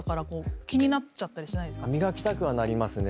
磨きたくはなりますね。